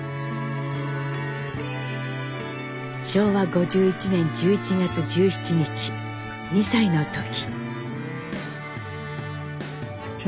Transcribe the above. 昭和５１年１１月１７日２歳の時。